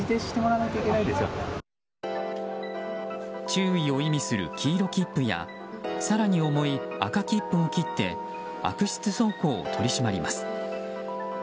注意を意味する黄色切符や更に重い赤切符を切って悪質走行を取り締まります。